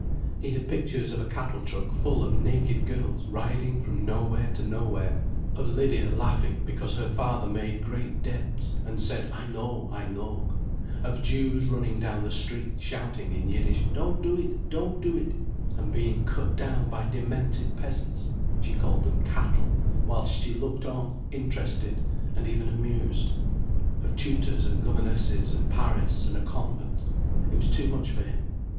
He had pictures of a cattle truck full of naked girls riding from nowhere to nowhere, of Lydia laughing because her father made great debts and said, "I know, I know"; of Jews running down the street shouting in Yiddish, "Don't do it, don't do it," and being cut down by demented peasants—she called them "cattle"—whilst she looked on interested and even amused; of tutors and governesses and Paris and a convent. It was too much for him.